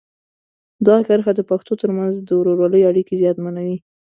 دغه کرښه د پښتنو ترمنځ د ورورولۍ اړیکې زیانمنوي.